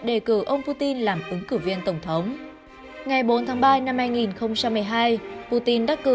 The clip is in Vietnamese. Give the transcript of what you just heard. đề cử ông putin làm ứng cử viên tổng thống ngày bốn tháng ba năm hai nghìn một mươi hai putin đắc cử